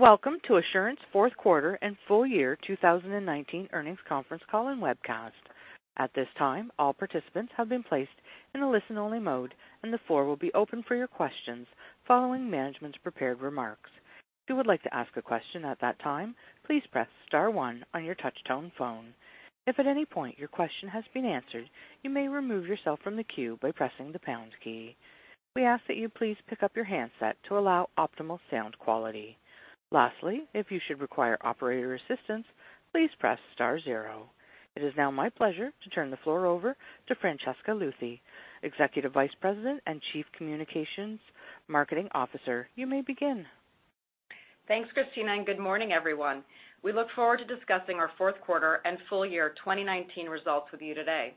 Welcome to Assurant's fourth quarter and full-year 2019 earnings conference call and webcast. At this time, all participants have been placed in a listen-only mode, and the floor will be open for your questions following management's prepared remarks. If you would like to ask a question at that time, please press star one on your touch-tone phone. If at any point your question has been answered, you may remove yourself from the queue by pressing the pound key. We ask that you please pick up your handset to allow optimal sound quality. Lastly, if you should require operator assistance, please press star zero. It is now my pleasure to turn the floor over to Francesca Luthi, Executive Vice President and Chief Communications and Marketing Officer. You may begin. Thanks, Christina, and good morning, everyone. We look forward to discussing our fourth quarter and full-year 2019 results with you today.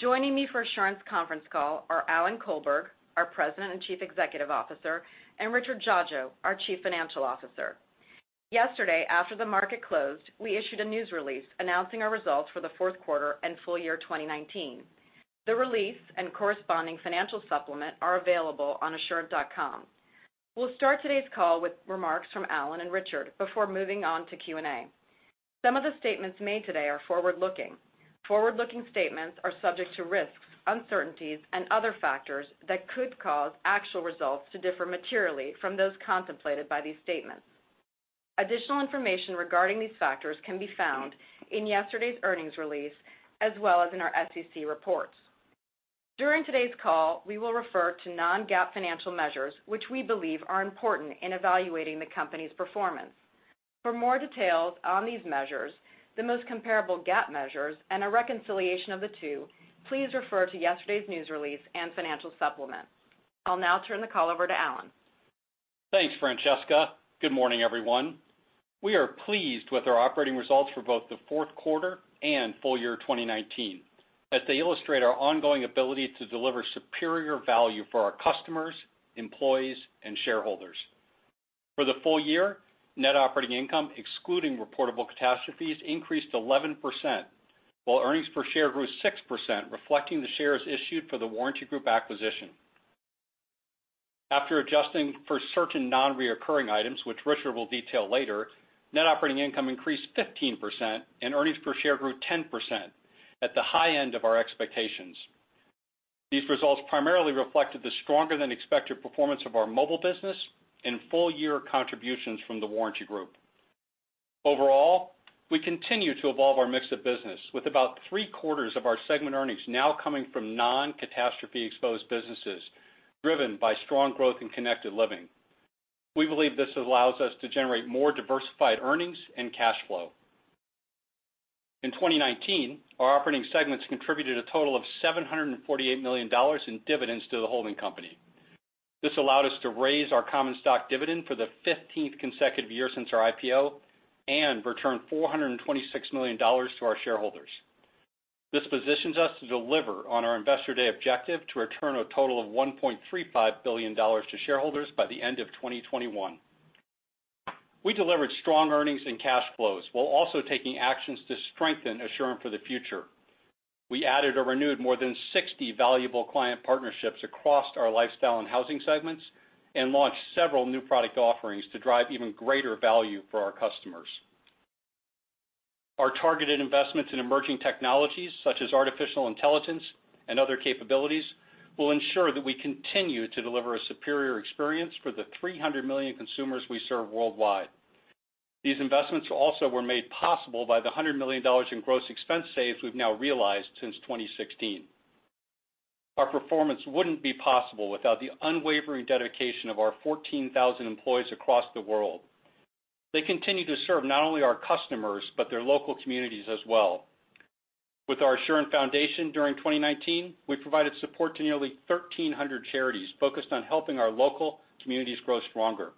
Joining me for Assurant's conference call are Alan Colberg, our President and Chief Executive Officer, and Richard Dziadzio, our Chief Financial Officer. Yesterday, after the market closed, we issued a news release announcing our results for the fourth quarter and full-year 2019. The release and corresponding financial supplement are available on assurant.com. We'll start today's call with remarks from Alan and Richard before moving on to Q&A. Some of the statements made today are forward-looking. Forward-looking statements are subject to risks, uncertainties, and other factors that could cause actual results to differ materially from those contemplated by these statements. Additional information regarding these factors can be found in yesterday's earnings release, as well as in our SEC reports. During today's call, we will refer to non-GAAP financial measures which we believe are important in evaluating the company's performance. For more details on these measures, the most comparable GAAP measures, and a reconciliation of the two, please refer to yesterday's news release and financial supplement. I'll now turn the call over to Alan. Thanks, Francesca. Good morning, everyone. We are pleased with our operating results for both the fourth quarter and full-year 2019, as they illustrate our ongoing ability to deliver superior value for our customers, employees, and shareholders. For the full-year, net operating income excluding reportable catastrophes increased 11%, while earnings per share grew 6%, reflecting the shares issued for The Warranty Group acquisition. After adjusting for certain non-recurring items, which Richard will detail later, net operating income increased 15%, and earnings per share grew 10% at the high end of our expectations. These results primarily reflected the stronger-than-expected performance of our mobile business and full-year contributions from The Warranty Group. Overall, we continue to evolve our mix of business with about three-quarters of our segment earnings now coming from non-catastrophe-exposed businesses driven by strong growth in Connected Living. We believe this allows us to generate more diversified earnings and cash flow. In 2019, our operating segments contributed a total of $748 million in dividends to the holding company. This allowed us to raise our common stock dividend for the 15th consecutive year since our IPO and return $426 million to our shareholders. This positions us to deliver on our Investor Day objective to return a total of $1.35 billion to shareholders by the end of 2021. We delivered strong earnings and cash flows while also taking actions to strengthen Assurant for the future. We added or renewed more than 60 valuable client partnerships across our Lifestyle and Housing segments and launched several new product offerings to drive even greater value for our customers. Our targeted investments in emerging technologies such as artificial intelligence and other capabilities will ensure that we continue to deliver a superior experience for the 300 million consumers we serve worldwide. These investments also were made possible by the $100 million in gross expense saves we've now realized since 2016. Our performance wouldn't be possible without the unwavering dedication of our 14,000 employees across the world. They continue to serve not only our customers, but their local communities as well. With our Assurant Foundation during 2019, we provided support to nearly 1,300 charities focused on helping our local communities grow stronger.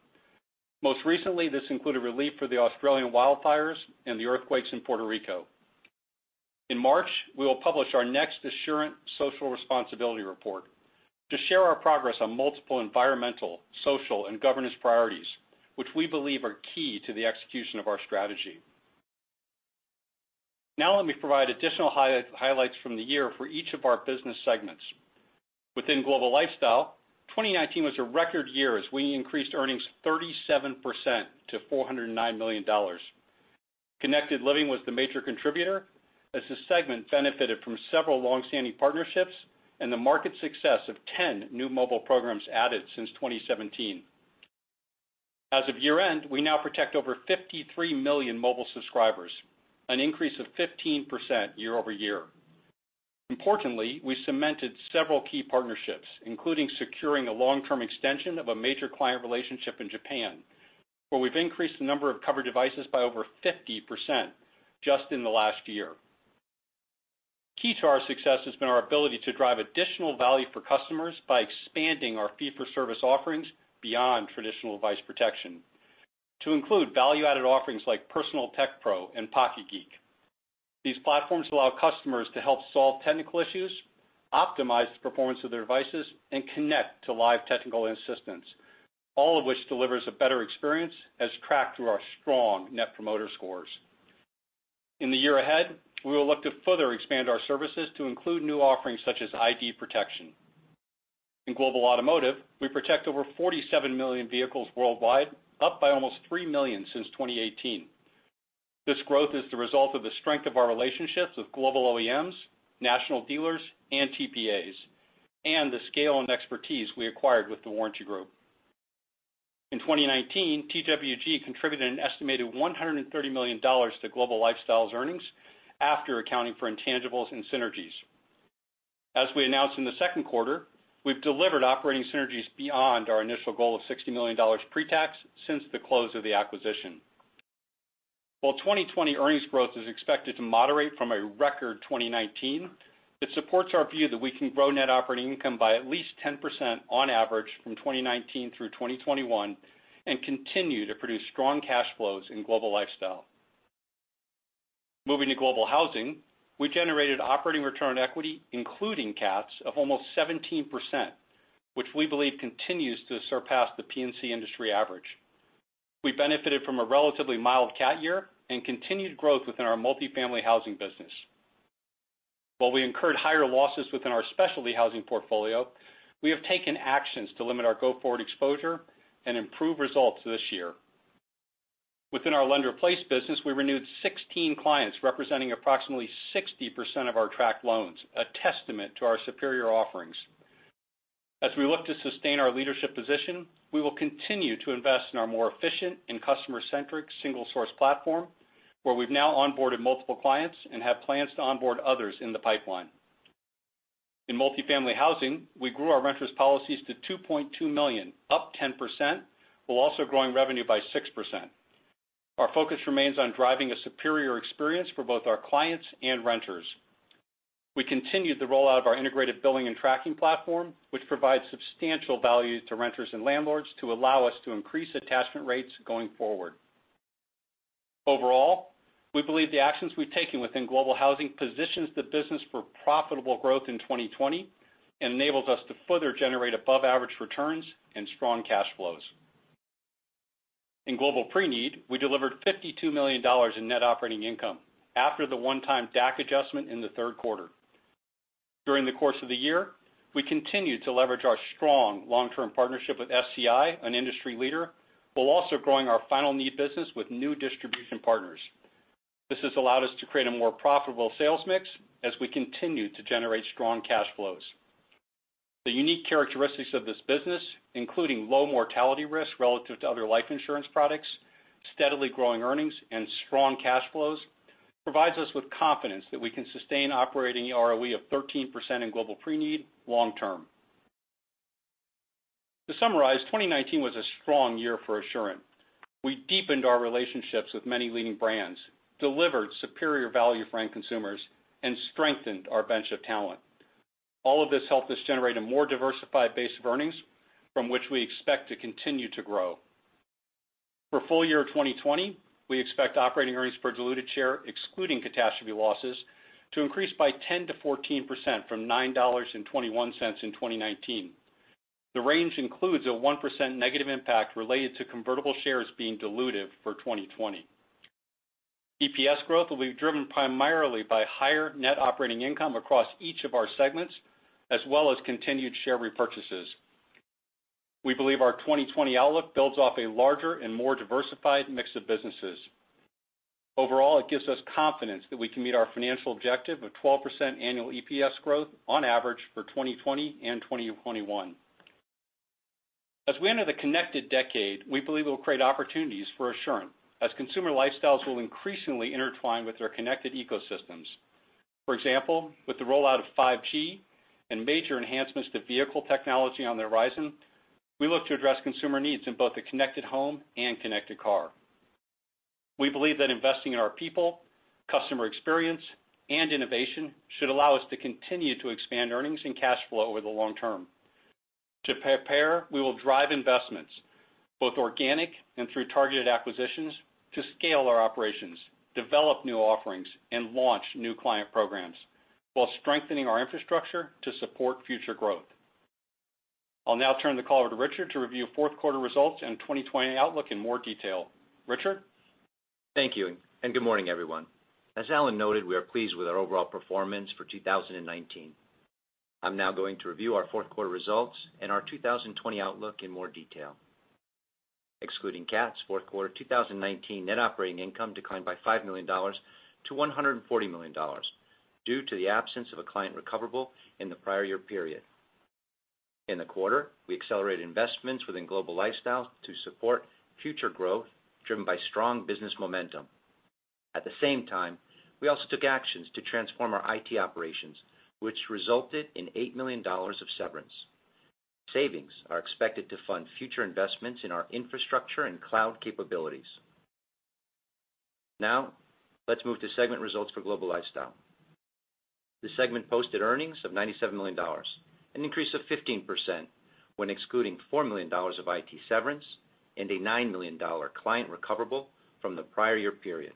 Most recently, this included relief for the Australian wildfires and the earthquakes in Puerto Rico. In March, we will publish our next Assurant Social Responsibility Report to share our progress on multiple environmental, social, and governance priorities, which we believe are key to the execution of our strategy. Let me provide additional highlights from the year for each of our business segments. Within Global Lifestyle, 2019 was a record year as we increased earnings 37% to $409 million. Connected Living was the major contributor as the segment benefited from several longstanding partnerships and the market success of 10 new mobile programs added since 2017. As of year-end, we now protect over 53 million mobile subscribers, an increase of 15% year-over-year. Importantly, we cemented several key partnerships, including securing a long-term extension of a major client relationship in Japan, where we've increased the number of covered devices by over 50% just in the last year. Key to our success has been our ability to drive additional value for customers by expanding our fee-for-service offerings beyond traditional device protection to include value-added offerings like Personal Tech Pro and Pocket Geek. These platforms allow customers to help solve technical issues, optimize the performance of their devices, and connect to live technical assistance, all of which delivers a better experience as tracked through our strong Net Promoter Scores. In the year ahead, we will look to further expand our services to include new offerings such as ID protection. In Global Automotive, we protect over 47 million vehicles worldwide, up by almost 3 million since 2018. This growth is the result of the strength of our relationships with global OEMs, national dealers, and TPAs, and the scale and expertise we acquired with The Warranty Group. In 2019, TWG contributed an estimated $130 million to Global Lifestyle's earnings after accounting for intangibles and synergies. As we announced in the second quarter, we've delivered operating synergies beyond our initial goal of $60 million pre-tax since the close of the acquisition. While 2020 earnings growth is expected to moderate from a record 2019, it supports our view that we can grow net operating income by at least 10% on average from 2019 through 2021, and continue to produce strong cash flows in Global Lifestyle. Moving to Global Housing, we generated operating return on equity, including cats, of almost 17%, which we believe continues to surpass the P&C industry average. We benefited from a relatively mild cat year, and continued growth within our multifamily housing business. While we incurred higher losses within our specialty housing portfolio, we have taken actions to limit our go-forward exposure and improve results this year. Within our lender-placed business, we renewed 16 clients, representing approximately 60% of our tracked loans, a testament to our superior offerings. As we look to sustain our leadership position, we will continue to invest in our more efficient and customer-centric single-source platform, where we've now onboarded multiple clients and have plans to onboard others in the pipeline. In multifamily housing, we grew our renter's policies to 2.2 million, up 10%, while also growing revenue by 6%. Our focus remains on driving a superior experience for both our clients and renters. We continued the rollout of our integrated billing and tracking platform, which provides substantial value to renters and landlords to allow us to increase attachment rates going forward. Overall, we believe the actions we've taken within Global Housing positions the business for profitable growth in 2020 and enables us to further generate above-average returns and strong cash flows. In Global Preneed, we delivered $52 million in net operating income after the one-time DAC adjustment in the third quarter. During the course of the year, we continued to leverage our strong long-term partnership with SCI, an industry leader, while also growing our Preneed business with new distribution partners. This has allowed us to create a more profitable sales mix as we continue to generate strong cash flows. The unique characteristics of this business, including low mortality risk relative to other life insurance products, steadily growing earnings, and strong cash flows, provides us with confidence that we can sustain operating ROE of 13% in Global Preneed long term. To summarize, 2019 was a strong year for Assurant. We deepened our relationships with many leading brands, delivered superior value for end consumers, and strengthened our bench of talent. All of this helped us generate a more diversified base of earnings, from which we expect to continue to grow. For full-year 2020, we expect operating earnings per diluted share excluding catastrophe losses to increase by 10%-14% from $9.21 in 2019. The range includes a 1% negative impact related to convertible shares being dilutive for 2020. EPS growth will be driven primarily by higher net operating income across each of our segments, as well as continued share repurchases. We believe our 2020 outlook builds off a larger and more diversified mix of businesses. Overall, it gives us confidence that we can meet our financial objective of 12% annual EPS growth on average for 2020 and 2021. As we enter the connected decade, we believe it will create opportunities for Assurant, as consumer lifestyles will increasingly intertwine with their connected ecosystems. For example, with the rollout of 5G and major enhancements to vehicle technology on the horizon, we look to address consumer needs in both the connected home and connected car. We believe that investing in our people, customer experience, and innovation should allow us to continue to expand earnings and cash flow over the long term. To prepare, we will drive investments, both organic and through targeted acquisitions, to scale our operations, develop new offerings, and launch new client programs, while strengthening our infrastructure to support future growth. I'll now turn the call over to Richard to review fourth quarter results and 2020 outlook in more detail. Richard? Thank you. Good morning, everyone. As Alan noted, we are pleased with our overall performance for 2019. I'm now going to review our fourth quarter results and our 2020 outlook in more detail. Excluding cats, fourth quarter 2019 net operating income declined by $5 million-$140 million due to the absence of a client recoverable in the prior year period. In the quarter, we accelerated investments within Global Lifestyle to support future growth driven by strong business momentum. At the same time, we also took actions to transform our IT operations, which resulted in $8 million of severance. Savings are expected to fund future investments in our infrastructure and cloud capabilities. Now, let's move to segment results for Global Lifestyle. The segment posted earnings of $97 million, an increase of 15% when excluding $4 million of IT severance and a $9 million client recoverable from the prior year period.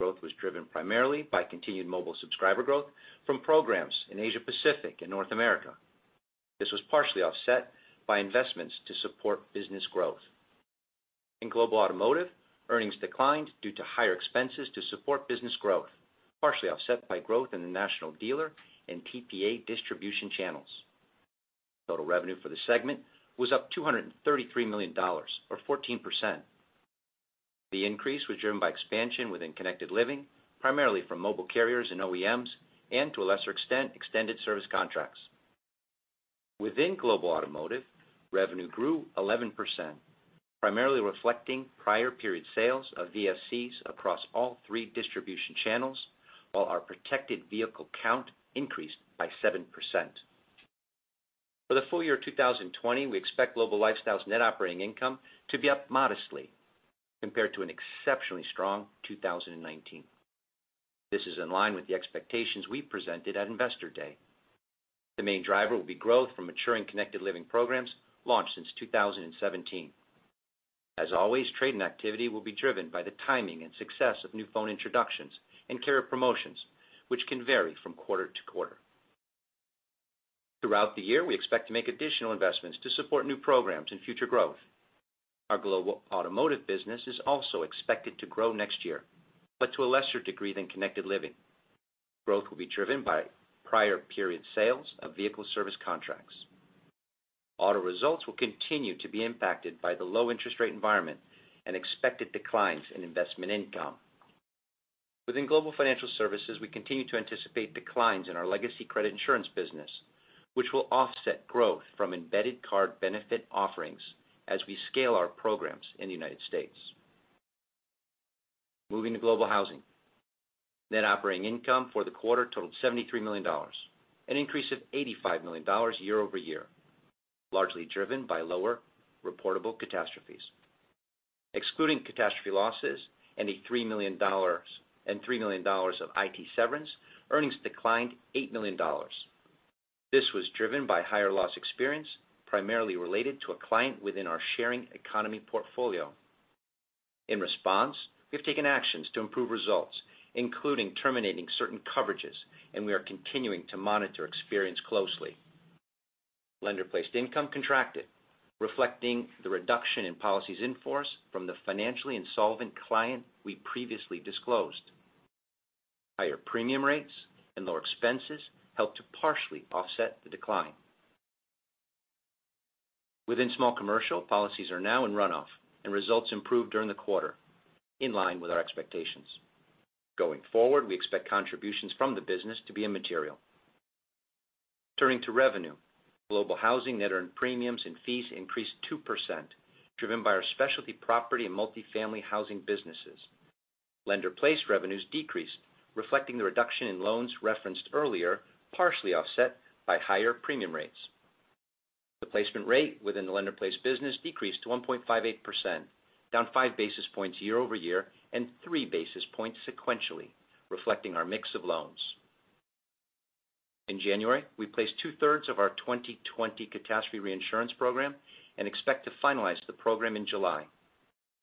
Growth was driven primarily by continued mobile subscriber growth from programs in Asia Pacific and North America. This was partially offset by investments to support business growth. In Global Automotive, earnings declined due to higher expenses to support business growth, partially offset by growth in the national dealer and TPA distribution channels. Total revenue for the segment was up $233 million or 14%. The increase was driven by expansion within Connected Living, primarily from mobile carriers and OEMs, and to a lesser extent, extended service contracts. Within Global Automotive, revenue grew 11%, primarily reflecting prior period sales of VSCs across all three distribution channels, while our protected vehicle count increased by 7%. For the full-year 2020, we expect Global Lifestyle's net operating income to be up modestly compared to an exceptionally strong 2019. This is in line with the expectations we presented at Investor Day. The main driver will be growth from maturing Connected Living programs launched since 2017. As always, trade and activity will be driven by the timing and success of new phone introductions and carrier promotions, which can vary from quarter-to-quarter. Throughout the year, we expect to make additional investments to support new programs and future growth. Our Global Automotive business is also expected to grow next year, but to a lesser degree than Connected Living. Growth will be driven by prior period sales of vehicle service contracts. Auto results will continue to be impacted by the low-interest rate environment and expected declines in investment income. Within Global Financial Services, we continue to anticipate declines in our legacy credit insurance business, which will offset growth from embedded card benefit offerings as we scale our programs in the United States. Moving to Global Housing. Net operating income for the quarter totaled $73 million, an increase of $85 million year-over-year, largely driven by lower reportable catastrophes. Excluding catastrophe losses and $3 million of IT severance, earnings declined $8 million. This was driven by higher loss experience, primarily related to a client within our sharing economy portfolio. In response, we've taken actions to improve results, including terminating certain coverages. We are continuing to monitor experience closely. Lender-placed income contracted, reflecting the reduction in policies in force from the financially insolvent client we previously disclosed. Higher premium rates and lower expenses helped to partially offset the decline. Within small commercial, policies are now in runoff, and results improved during the quarter, in line with our expectations. Going forward, we expect contributions from the business to be immaterial. Turning to revenue. Global Housing net earned premiums and fees increased 2%, driven by our specialty property and multifamily housing businesses. Lender-placed revenues decreased, reflecting the reduction in loans referenced earlier, partially offset by higher premium rates. The placement rate within the lender-placed business decreased to 1.58%, down five basis points year-over-year and three basis points sequentially, reflecting our mix of loans. In January, we placed two-thirds of our 2020 catastrophe reinsurance program and expect to finalize the program in July.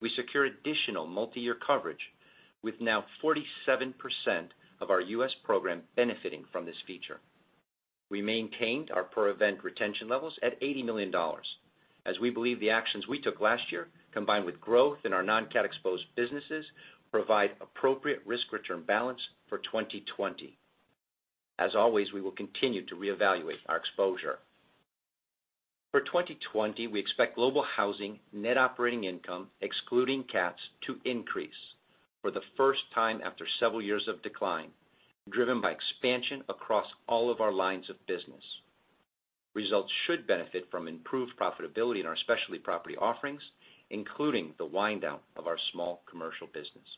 We secured additional multi-year coverage, with now 47% of our U.S. program benefiting from this feature. We maintained our per-event retention levels at $80 million, as we believe the actions we took last year, combined with growth in our non-cat exposed businesses, provide appropriate risk-return balance for 2020. As always, we will continue to reevaluate our exposure. For 2020, we expect Global Housing net operating income excluding cats to increase for the first time after several years of decline, driven by expansion across all of our lines of business. Results should benefit from improved profitability in our specialty property offerings, including the wind-down of our small commercial business.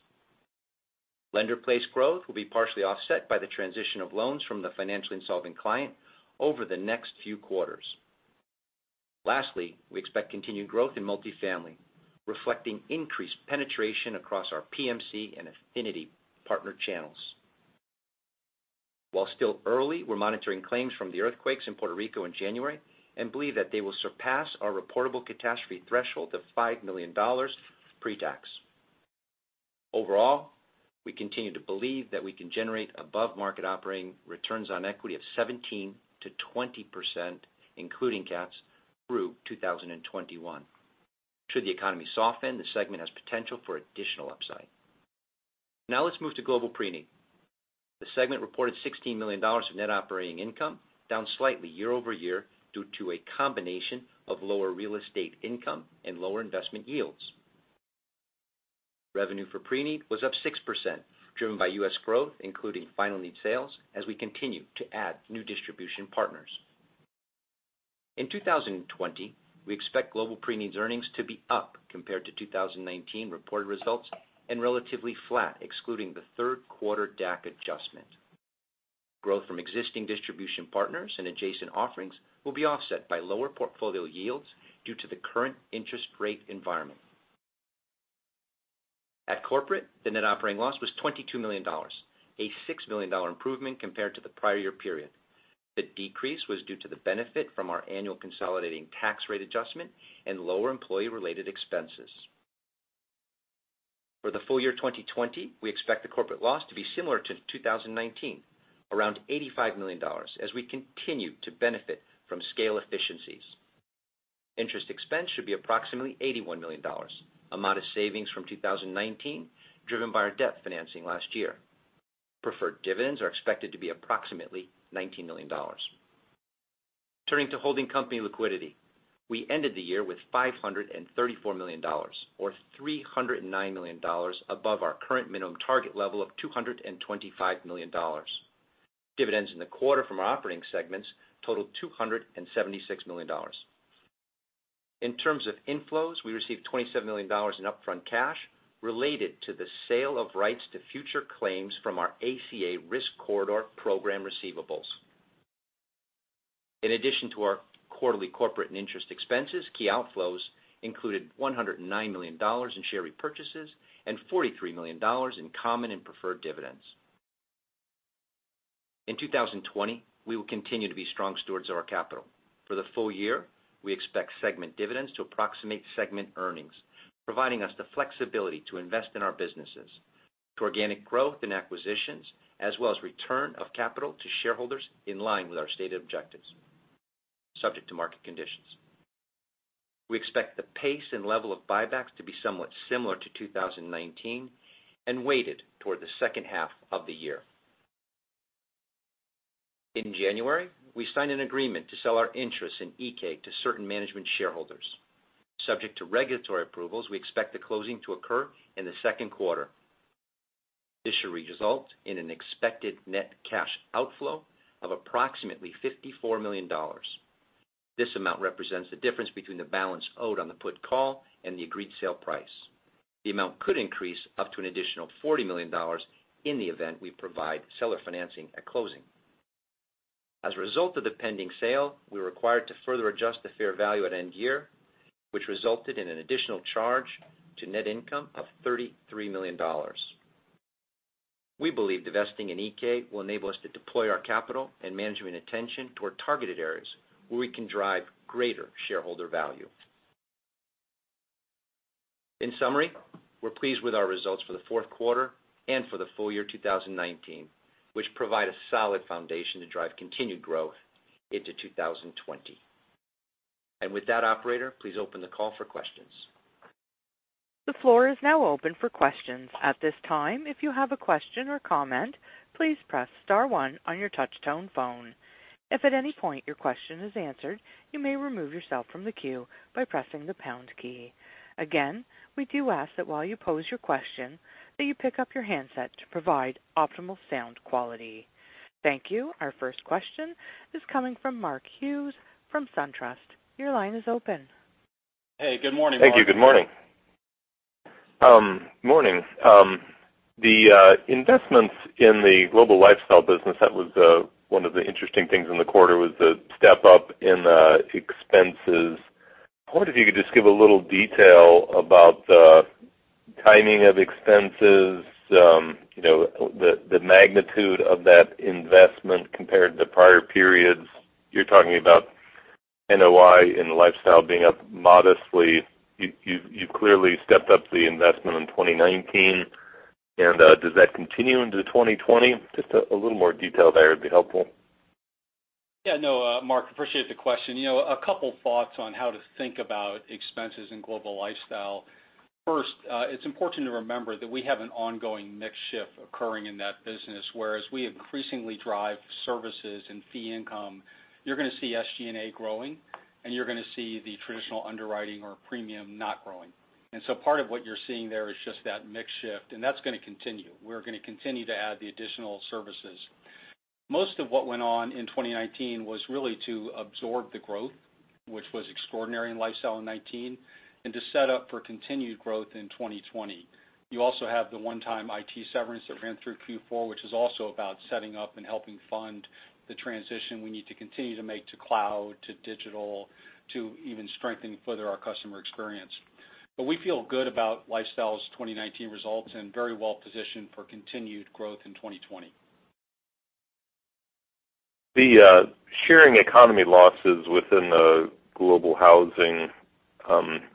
Lender-placed growth will be partially offset by the transition of loans from the financially insolvent client over the next few quarters. Lastly, we expect continued growth in multifamily, reflecting increased penetration across our PMC and affinity partner channels. While still early, we're monitoring claims from the earthquakes in Puerto Rico in January and believe that they will surpass our reportable catastrophe threshold of $5 million pre-tax. Overall, we continue to believe that we can generate above-market operating returns on equity of 17%-20%, including cats, through 2021. Should the economy soften, the segment has potential for additional upside. Now let's move to Global Preneed. The segment reported $16 million of net operating income, down slightly year-over-year due to a combination of lower real estate income and lower investment yields. Revenue for Preneed was up 6%, driven by U.S. growth, including final need sales, as we continue to add new distribution partners. In 2020, we expect Global Preneed's earnings to be up compared to 2019 reported results and relatively flat excluding the third quarter DAC adjustment. Growth from existing distribution partners and adjacent offerings will be offset by lower portfolio yields due to the current interest rate environment. At corporate, the net operating loss was $22 million, a $6 million improvement compared to the prior year period. The decrease was due to the benefit from our annual consolidating tax rate adjustment and lower employee-related expenses. For the full-year 2020, we expect the corporate loss to be similar to 2019, around $85 million, as we continue to benefit from scale efficiencies. Interest expense should be approximately $81 million, a modest savings from 2019, driven by our debt financing last year. Preferred dividends are expected to be approximately $19 million. Turning to holding company liquidity. We ended the year with $534 million, or $309 million above our current minimum target level of $225 million. Dividends in the quarter from our operating segments totaled $276 million. In terms of inflows, we received $27 million in upfront cash related to the sale of rights to future claims from our ACA risk corridor program receivables. In addition to our quarterly corporate and interest expenses, key outflows included $109 million in share repurchases and $43 million in common and preferred dividends. In 2020, we will continue to be strong stewards of our capital. For the full-year, we expect segment dividends to approximate segment earnings, providing us the flexibility to invest in our businesses through organic growth and acquisitions, as well as return of capital to shareholders in line with our stated objectives, subject to market conditions. We expect the pace and level of buybacks to be somewhat similar to 2019 and weighted toward the second half of the year. In January, we signed an agreement to sell our interest in Iké to certain management shareholders. Subject to regulatory approvals, we expect the closing to occur in the second quarter. This should result in an expected net cash outflow of approximately $54 million. This amount represents the difference between the balance owed on the put call and the agreed sale price. The amount could increase up to an additional $40 million in the event we provide seller financing at closing. As a result of the pending sale, we are required to further adjust the fair value at end year, which resulted in an additional charge to net income of $33 million. We believe divesting in Iké will enable us to deploy our capital and management attention toward targeted areas where we can drive greater shareholder value. In summary, we are pleased with our results for the fourth quarter and for the full-year 2019, which provide a solid foundation to drive continued growth into 2020. With that, operator, please open the call for questions. The floor is now open for questions. At this time, if you have a question or comment, please press star one on your touch-tone phone. If at any point your question is answered, you may remove yourself from the queue by pressing the pound key. Again, we do ask that while you pose your question, that you pick up your handset to provide optimal sound quality. Thank you. Our first question is coming from Mark Hughes from SunTrust. Your line is open. Hey, good morning, Mark. Thank you. Good morning. Morning. The investments in the Global Lifestyle business, that was one of the interesting things in the quarter was the step-up in expenses. I wonder if you could just give a little detail about the timing of expenses, the magnitude of that investment compared to prior periods. You're talking about NOI in the Lifestyle being up modestly. You clearly stepped up the investment in 2019. Does that continue into 2020? Just a little more detail there would be helpful. No, Mark, appreciate the question. A couple thoughts on how to think about expenses in Global Lifestyle. First, it's important to remember that we have an ongoing mix shift occurring in that business, whereas we increasingly drive services and fee income. You're going to see SG&A growing, and you're going to see the traditional underwriting or premium not growing. Part of what you're seeing there is just that mix shift, and that's going to continue. We're going to continue to add the additional services. Most of what went on in 2019 was really to absorb the growth, which was extraordinary in Global Lifestyle in 2019, and to set up for continued growth in 2020. You also have the one-time IT severance that ran through Q4, which is also about setting up and helping fund the transition we need to continue to make to cloud, to digital, to even strengthening further our customer experience. We feel good about Lifestyle's 2019 results and very well-positioned for continued growth in 2020. The sharing economy losses within the Global Housing,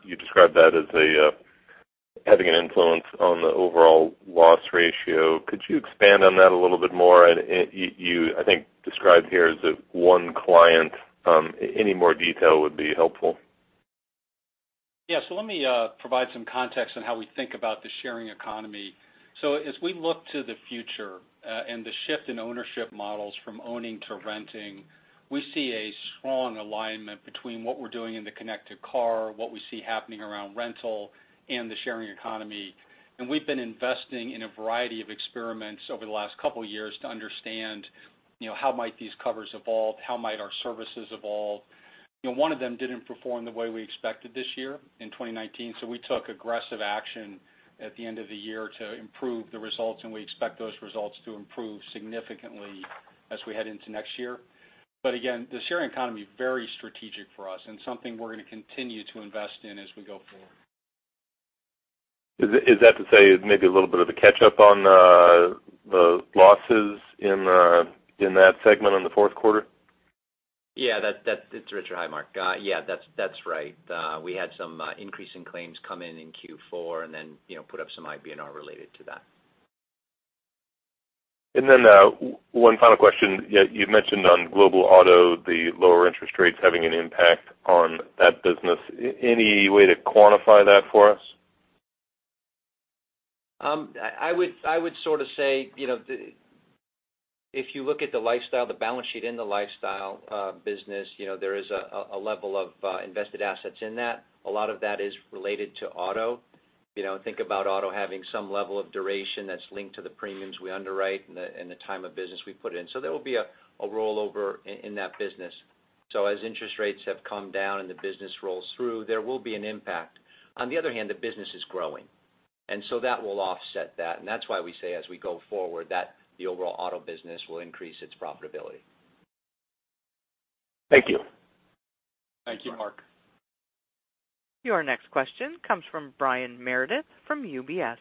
you described that as having an influence on the overall loss ratio. Could you expand on that a little bit more? You, I think, described here as one client. Any more detail would be helpful. Yeah. Let me provide some context on how we think about the sharing economy. As we look to the future and the shift in ownership models from owning to renting, we see a strong alignment between what we're doing in the connected car, what we see happening around rental, and the sharing economy. We've been investing in a variety of experiments over the last couple of years to understand how might these covers evolve? How might our services evolve? One of them didn't perform the way we expected this year in 2019, so we took aggressive action at the end of the year to improve the results, and we expect those results to improve significantly as we head into next year. Again, the sharing economy, very strategic for us and something we're going to continue to invest in as we go forward. Is that to say maybe a little bit of a catch-up on the losses in that segment on the fourth quarter? Yeah, it's Richard. Hi, Mark. Yeah, that's right. We had some increase in claims come in in Q4 and then put up some IBNR related to that. One final question. You mentioned on Global Auto, the lower interest rates having an impact on that business. Any way to quantify that for us? I would say, if you look at the balance sheet in the Global Lifestyle business, there is a level of invested assets in that. A lot of that is related to auto. Think about auto having some level of duration that's linked to the premiums we underwrite and the time of business we put in. There will be a rollover in that business. As interest rates have come down and the business rolls through, there will be an impact. On the other hand, the business is growing, and so that will offset that. That's why we say as we go forward that the overall auto business will increase its profitability. Thank you. Thank you, Mark. Your next question comes from Brian Meredith from UBS.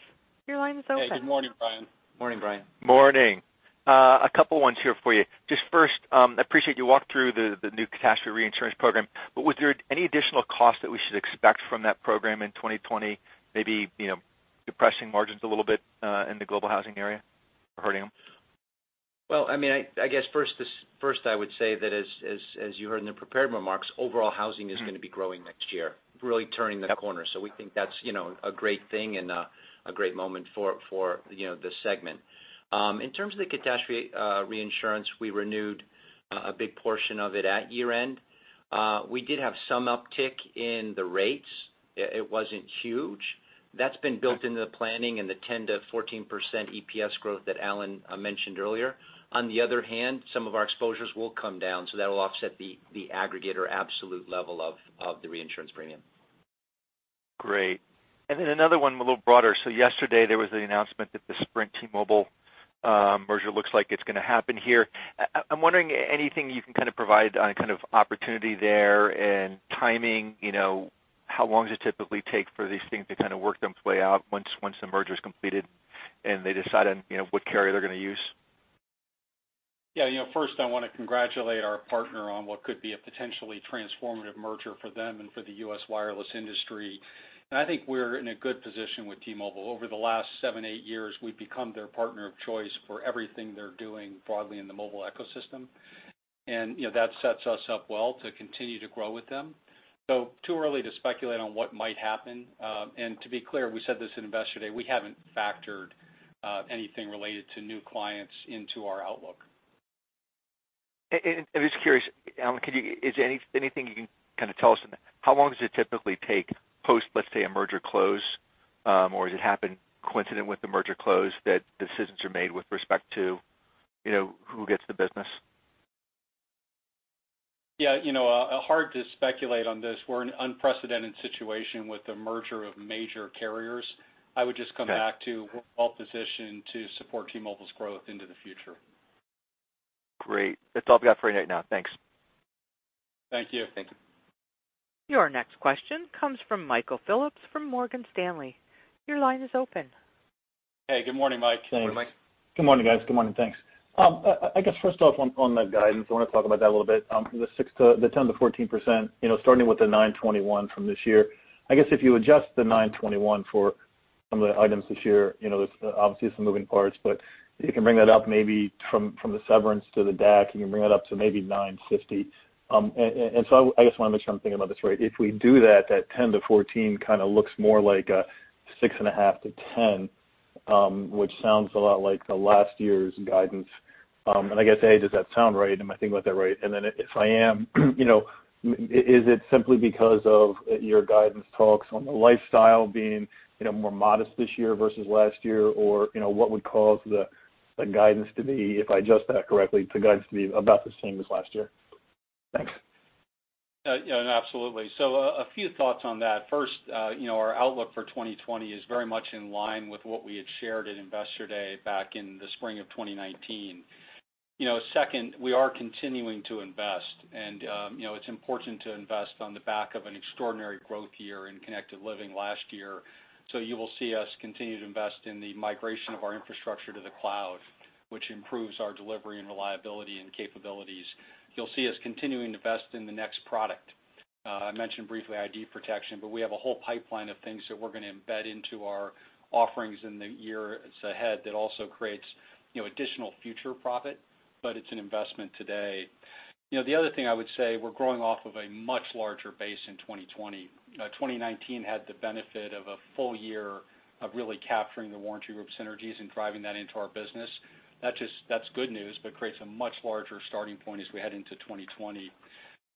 Your line is open. Hey, good morning, Brian. Morning, Brian. Morning. A couple ones here for you. Just first, I appreciate you walked through the new catastrophe reinsurance program, was there any additional cost that we should expect from that program in 2020, maybe depressing margins a little bit in the Global Housing area or hurting them? I guess first I would say that as you heard in the prepared remarks, overall housing is going to be growing next year, really turning the corner. We think that's a great thing and a great moment for this segment. In terms of the catastrophe reinsurance, we renewed a big portion of it at year-end. We did have some uptick in the rates. It wasn't huge. That's been built into the planning and the 10%-14% EPS growth that Alan mentioned earlier. The other hand, some of our exposures will come down, that'll offset the aggregate or absolute level of the reinsurance premium. Great. Another one, a little broader. Yesterday there was the announcement that the Sprint, T-Mobile merger looks like it's going to happen here. I'm wondering anything you can provide on opportunity there and timing, how long does it typically take for these things to work them play out once the merger's completed and they decide on what carrier they're going to use? First, I want to congratulate our partner on what could be a potentially transformative merger for them and for the U.S. wireless industry. I think we're in a good position with T-Mobile. Over the last seven, eight years, we've become their partner of choice for everything they're doing broadly in the mobile ecosystem, and that sets us up well to continue to grow with them. Too early to speculate on what might happen. To be clear, we said this at Investor Day, we haven't factored anything related to new clients into our outlook. I'm just curious, Alan, is there anything you can tell us? How long does it typically take post, let's say, a merger close? Or does it happen coincident with the merger close that decisions are made with respect to who gets the business? Yeah. Hard to speculate on this. We're in an unprecedented situation with the merger of major carriers. I would just come back to we're well-positioned to support T-Mobile's growth into the future. Great. That's all I've got for you right now. Thanks. Thank you. Thank you. Your next question comes from Michael Phillips from Morgan Stanley. Your line is open. Hey, good morning, Mike. Morning, Mike. Good morning, guys. Good morning. Thanks. I guess first off, on the guidance, I want to talk about that a little bit. The 10%-14%, starting with the $921 from this year. I guess if you adjust the $921 for some of the items this year, obviously there's some moving parts, but you can bring that up maybe from the severance to the DAC, you can bring that up to maybe $950. I just want to make sure I'm thinking about this right. If we do that 10%-14% kind of looks more like a 6.5%-10%, which sounds a lot like the last year's guidance. I guess, A, does that sound right? Am I thinking about that right? If I am, is it simply because of your guidance talks on the Lifestyle being more modest this year versus last year? What would cause the guidance to be, if I adjust that correctly, the guidance to be about the same as last year? Thanks. No, absolutely. A few thoughts on that. First, our outlook for 2020 is very much in line with what we had shared at Investor Day back in the spring of 2019. Second, we are continuing to invest, and it's important to invest on the back of an extraordinary growth year in Connected Living last year. You will see us continue to invest in the migration of our infrastructure to the cloud, which improves our delivery and reliability and capabilities. You'll see us continuing to invest in the next product. I mentioned briefly ID protection, but we have a whole pipeline of things that we're going to embed into our offerings in the years ahead that also creates additional future profit, but it's an investment today. The other thing I would say, we're growing off of a much larger base in 2020. 2019 had the benefit of a full-year of really capturing The Warranty Group synergies and driving that into our business. That's good news, but creates a much larger starting point as we head into 2020.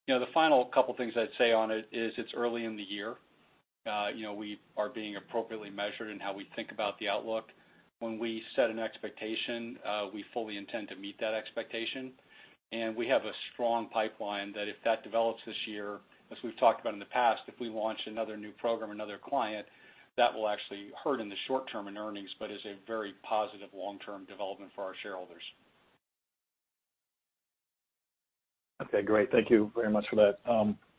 The final couple of things I'd say on it is it's early in the year. We are being appropriately measured in how we think about the outlook. When we set an expectation, we fully intend to meet that expectation, and we have a strong pipeline that, if that develops this year, as we've talked about in the past, if we launch another new program, another client, that will actually hurt in the short term in earnings but is a very positive long-term development for our shareholders. Okay, great. Thank you very much for that.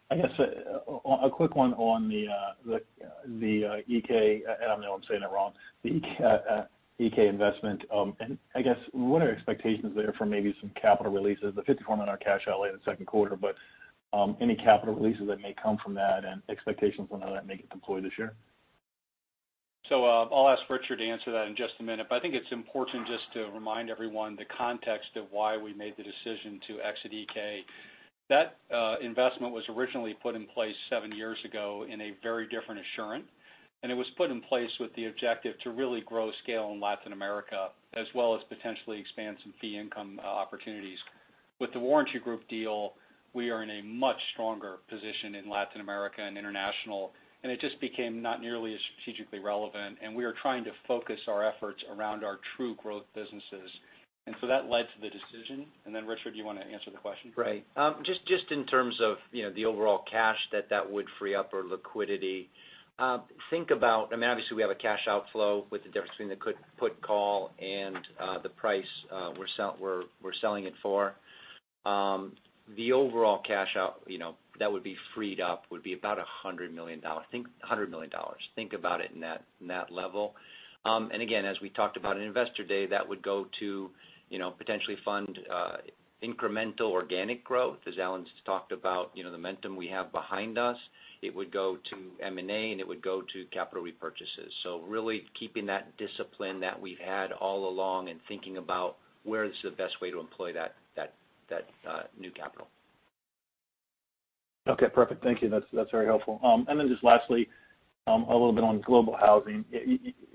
I guess a quick one on the Iké, and I know I'm saying it wrong, the Iké investment. I guess what are expectations there for maybe some capital releases? The $54 million cash outlay in the second quarter, but any capital releases that may come from that and expectations on how that may get deployed this year? I'll ask Richard to answer that in just a minute. But I think it's important just to remind everyone the context of why we made the decision to exit Iké. That investment was originally put in place seven years ago in a very different Assurant, and it was put in place with the objective to really grow scale in Latin America, as well as potentially expand some fee income opportunities. With the Warranty Group deal, we are in a much stronger position in Latin America and international, and it just became not nearly as strategically relevant, and we are trying to focus our efforts around our true growth businesses. That led to the decision. Then Richard, do you want to answer the question? Just in terms of the overall cash that would free up or liquidity. Obviously, we have a cash outflow with the difference between the put call and the price we're selling it for. The overall cash out that would be freed up would be about $100 million. Think about it in that level. Again, as we talked about in Investor Day, that would go to potentially fund incremental organic growth, as Alan's talked about, the momentum we have behind us. It would go to M&A, and it would go to capital repurchases. Really keeping that discipline that we've had all along and thinking about where is the best way to employ that new capital. Okay, perfect. Thank you. That's very helpful. Then just lastly, a little bit on Global Housing.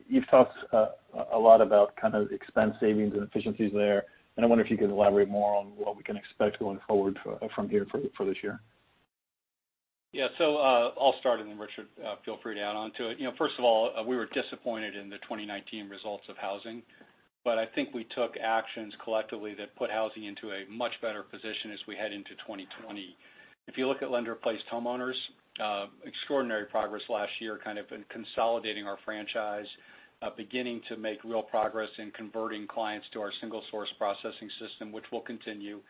You've talked a lot about expense savings and efficiencies there, and I wonder if you could elaborate more on what we can expect going forward from here for this year? I'll start, and then Richard, feel free to add onto it. I think we were disappointed in the 2019 results of Housing. I think we took actions collectively that put Housing into a much better position as we head into 2020. If you look at lender-placed homeowners, extraordinary progress last year in consolidating our franchise, beginning to make real progress in converting clients to our single-source processing system, which will continue.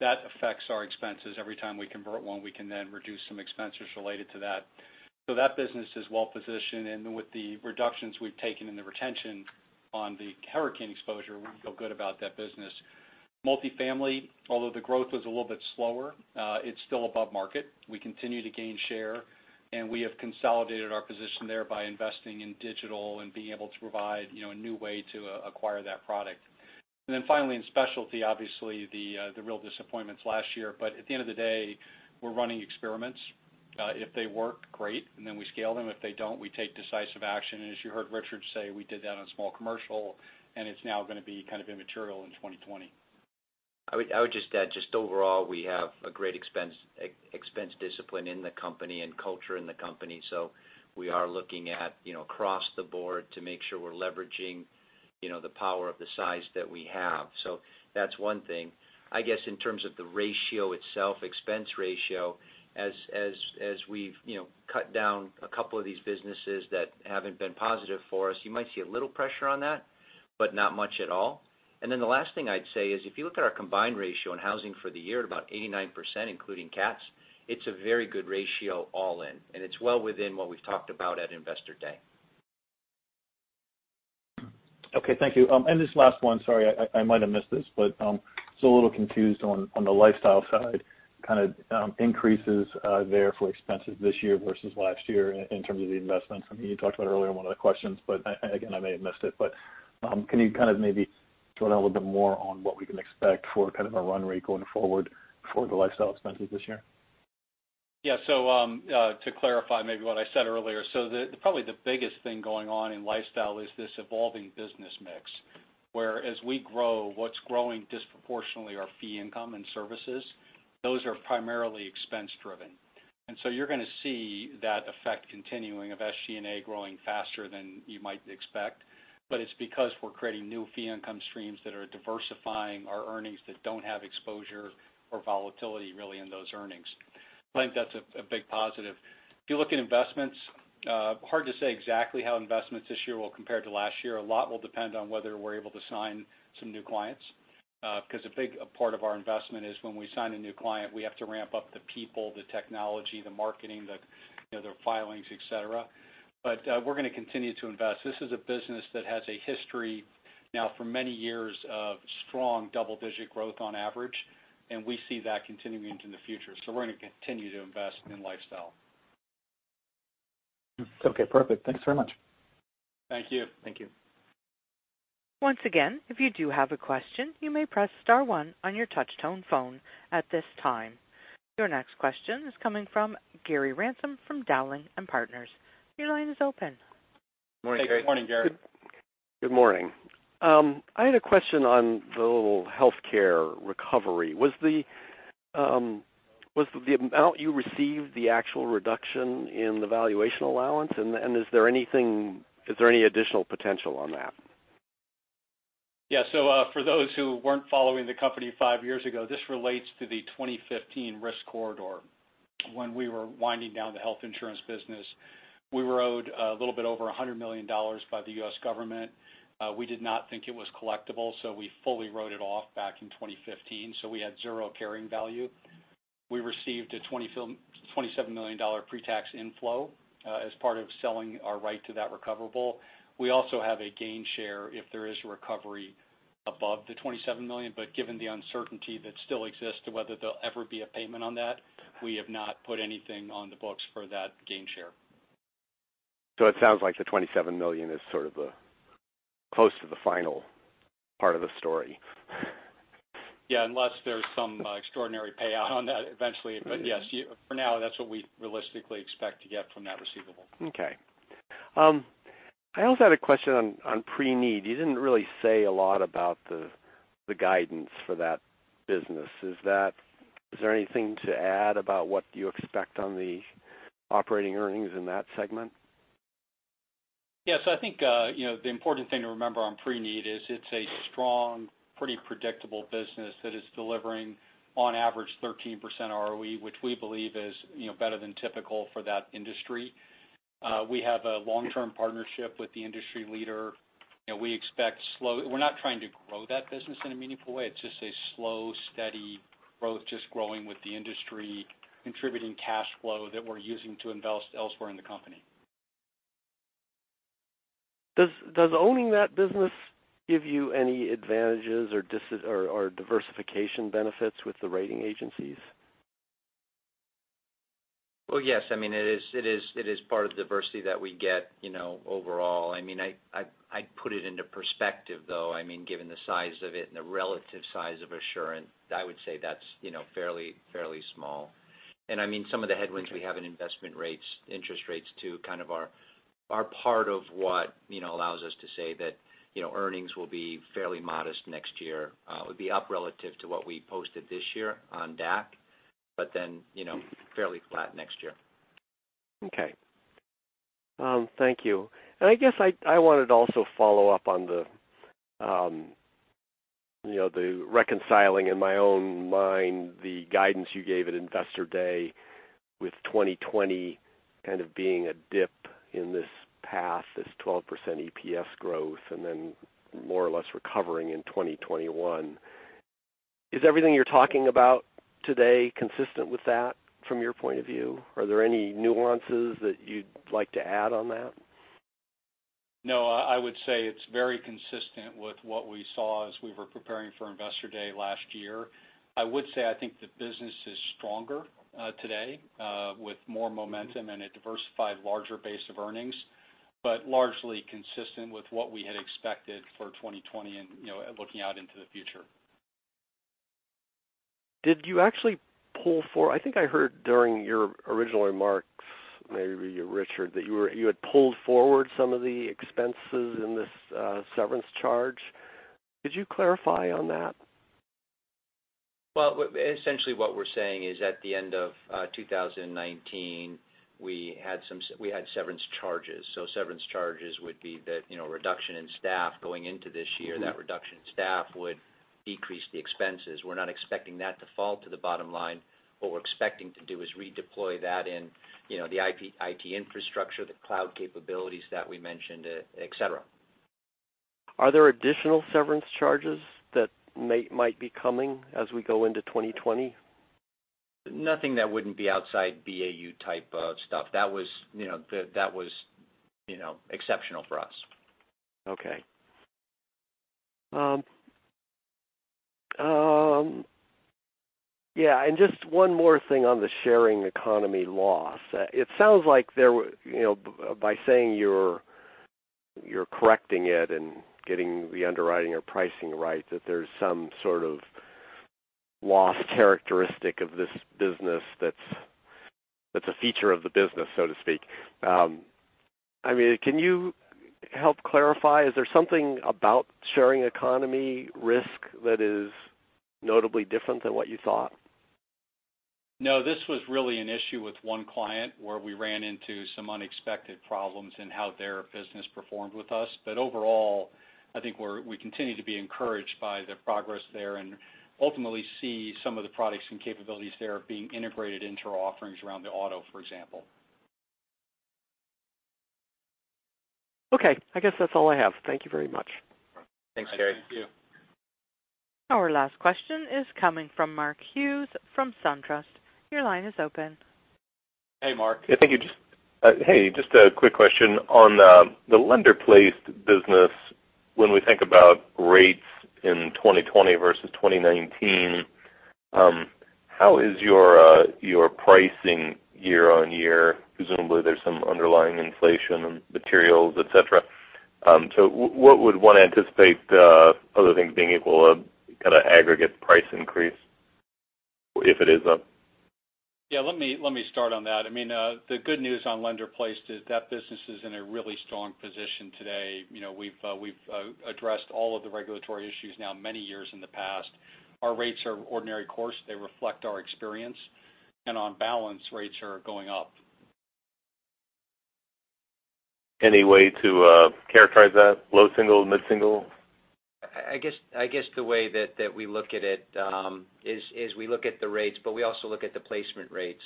That affects our expenses. Every time we convert one, we can then reduce some expenses related to that. That business is well-positioned, and with the reductions we've taken in the retention on the hurricane exposure, we feel good about that business. Multifamily, although the growth was a little bit slower, it's still above market. We continue to gain share, and we have consolidated our position there by investing in digital and being able to provide a new way to acquire that product. Then finally, in specialty, obviously, the real disappointments last year. At the end of the day, we're running experiments. If they work, great, and then we scale them. If they don't, we take decisive action. As you heard Richard say, we did that on small commercial, and it's now going to be immaterial in 2020. I would just add, just overall, we have a great expense discipline in the company and culture in the company. We are looking at across the board to make sure we're leveraging the power of the size that we have. That's one thing. I guess, in terms of the ratio itself, expense ratio, as we've cut down a couple of these businesses that haven't been positive for us, you might see a little pressure on that, but not much at all. The last thing I'd say is if you look at our combined ratio in Global Housing for the year at about 89%, including CATs, it's a very good ratio all in, and it's well within what we've talked about at Investor Day. Okay, thank you. This last one, sorry, I might have missed this, but just a little confused on the Lifestyle side increases there for expenses this year versus last year in terms of the investments. I mean, you talked about it earlier in one of the questions; again, I may have missed it. Can you maybe drill down a little bit more on what we can expect for a run rate going forward for the Lifestyle expenses this year? Yeah. To clarify maybe what I said earlier, probably the biggest thing going on in Lifestyle is this evolving business mix, where as we grow, what's growing disproportionately are fee income and services. Those are primarily expense-driven. You're going to see that effect continuing of SG&A growing faster than you might expect. It's because we're creating new fee income streams that are diversifying our earnings that don't have exposure or volatility, really, in those earnings. I think that's a big positive. If you look at investments, hard to say exactly how investments this year will compare to last year. A lot will depend on whether we're able to sign some new clients. A big part of our investment is when we sign a new client, we have to ramp up the people, the technology, the marketing, their filings, et cetera. We're going to continue to invest. This is a business that has a history now for many years of strong double-digit growth on average, and we see that continuing into the future. We're going to continue to invest in Lifestyle. Okay, perfect. Thanks very much. Thank you. Thank you. Once again, if you do have a question, you may press star one on your touch-tone phone at this time. Your next question is coming from Gary Ransom from Dowling & Partners. Your line is open. Morning, Gary. Hey. Good morning, Gary. Good morning. I had a question on the little healthcare recovery. Was the amount you received the actual reduction in the valuation allowance, and is there any additional potential on that? Yeah. For those who weren't following the company five years ago, this relates to the 2015 risk corridor when we were winding down the health insurance business. We were owed a little bit over $100 million by the U.S. government. We did not think it was collectible, so we fully wrote it off back in 2015, so we had zero carrying value. We received a $27 million pre-tax inflow as part of selling our right to that recoverable. We also have a gain share if there is a recovery above the $27 million, but given the uncertainty that still exists to whether there'll ever be a payment on that, we have not put anything on the books for that gain share. It sounds like the $27 million is close to the final part of the story. Yeah, unless there's some extraordinary payout on that eventually. Yes, for now, that's what we realistically expect to get from that receivable. Okay. I also had a question on Pre-need. You didn't really say a lot about the guidance for that business. Is there anything to add about what you expect on the operating earnings in that segment? Yes, I think the important thing to remember on pre-need is it's a strong, pretty predictable business that is delivering, on average, 13% ROE, which we believe is better than typical for that industry. We have a long-term partnership with the industry leader. We're not trying to grow that business in a meaningful way. It's just a slow, steady growth, just growing with the industry, contributing cash flow that we're using to invest elsewhere in the company. Does owning that business give you any advantages or diversification benefits with the rating agencies? Well, yes. It is part of the diversity that we get overall. I'd put it into perspective, though. Given the size of it and the relative size of Assurant, I would say that's fairly small. Some of the headwinds we have in investment rates, interest rates too, kind of are part of what allows us to say that earnings will be fairly modest next year. It would be up relative to what we posted this year on DAC, but then fairly flat next year. Okay. Thank you. I guess I wanted to also follow up on the reconciling in my own mind the guidance you gave at Investor Day, with 2020 kind of being a dip in this path, this 12% EPS growth, and then more or less recovering in 2021. Is everything you're talking about today consistent with that from your point of view? Are there any nuances that you'd like to add on that? No, I would say it's very consistent with what we saw as we were preparing for Investor Day last year. I would say I think the business is stronger today with more momentum and a diversified, larger base of earnings, but largely consistent with what we had expected for 2020 and looking out into the future. Did you actually pull for, I think I heard during your original remarks, maybe you, Richard, that you had pulled forward some of the expenses in this severance charge. Could you clarify on that? Well, essentially what we're saying is at the end of 2019, we had severance charges. Severance charges would be the reduction in staff going into this year. That reduction in staff would decrease the expenses. We're not expecting that to fall to the bottom line. What we're expecting to do is redeploy that in the IT infrastructure, the cloud capabilities that we mentioned, et cetera. Are there additional severance charges that might be coming as we go into 2020? Nothing that wouldn't be outside BAU type of stuff. That was exceptional for us. Okay. Yeah, just one more thing on the sharing economy loss. It sounds like by saying you're correcting it and getting the underwriting or pricing right, that there's some sort of loss characteristic of this business that's a feature of the business, so to speak. Can you help clarify? Is there something about sharing economy risk that is notably different than what you thought? This was really an issue with one client where we ran into some unexpected problems in how their business performed with us. Overall, I think we continue to be encouraged by their progress there and ultimately see some of the products and capabilities there being integrated into our offerings around the auto, for example. I guess that's all I have. Thank you very much. Thanks, Gary. Thank you. Our last question is coming from Mark Hughes from SunTrust. Your line is open. Hey, Mark. Thank you. Hey, just a quick question on the lender-placed business. When we think about rates in 2020 versus 2019, how is your pricing year-on-year? Presumably, there's some underlying inflation on materials, et cetera. What would one anticipate, other things being equal, a kind of aggregate price increase, if it is up? Yeah, let me start on that. The good news on lender-placed is that business is in a really strong position today. We've addressed all of the regulatory issues now many years in the past. Our rates are ordinary course. They reflect our experience, and on balance, rates are going up. Any way to characterize that? Low single, mid-single? I guess the way that we look at it is we look at the rates, but we also look at the placement rates.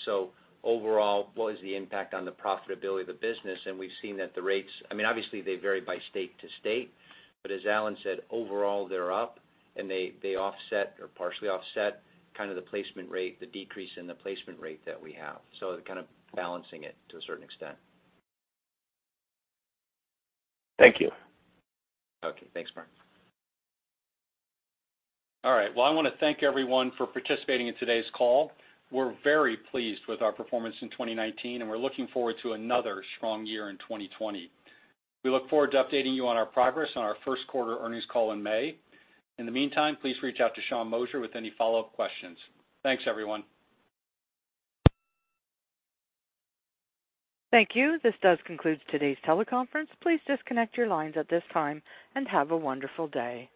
Overall, what is the impact on the profitability of the business? We've seen that the rates, obviously, vary by state to state, but as Alan said, overall, they're up, and they offset or partially offset the decrease in the placement rate that we have. They're kind of balancing it to a certain extent. Thank you. Okay, thanks, Mark. All right. Well, I want to thank everyone for participating in today's call. We're very pleased with our performance in 2019, and we're looking forward to another strong year in 2020. We look forward to updating you on our progress on our first quarter earnings call in May. In the meantime, please reach out to Sean Moshier with any follow-up questions. Thanks, everyone. Thank you. This does conclude today's teleconference. Please disconnect your lines at this time, and have a wonderful day.